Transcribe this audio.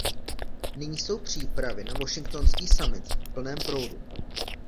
Nyní jsou přípravy na washingtonský summit v plném proudu.